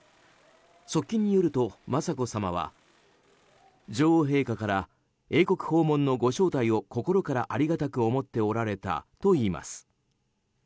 側近によると雅子さまは女王陛下から英国訪問のご招待を心からありがたく思っておられたといいます。